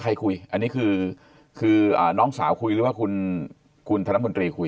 คุยอันนี้คือคือน้องสาวคุยหรือว่าคุณธนมนตรีคุย